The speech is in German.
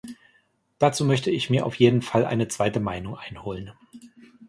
Dazu möchte ich mir auf jeden Fall eine zweite Meinung einholen.